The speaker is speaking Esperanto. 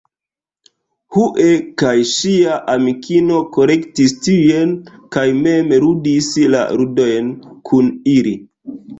Hue kaj ŝia amikino kolektis tiujn kaj mem ludis la ludojn kun ili.